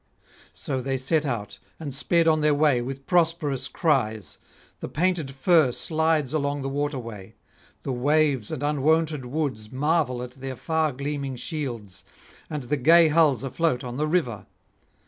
So they set out and speed on their way with prosperous cries; the painted fir slides along the waterway; the waves and unwonted woods marvel at their far gleaming shields, and the gay hulls afloat on the river.